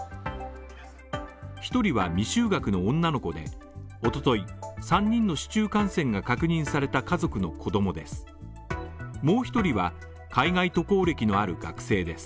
１人は未就学の女の子で、一昨日、３人の市中感染が確認された家族の子供です。